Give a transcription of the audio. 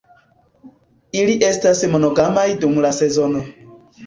Ili estas monogamaj dum la sezono.